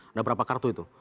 ada berapa kartu itu